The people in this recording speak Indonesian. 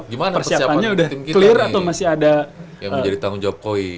gimana persiapannya udah clear atau masih ada yang menjadi tanggung jawab koi